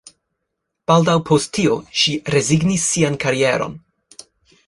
Baldaŭ post tio, ŝi rezignis sian karieron.